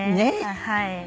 はい。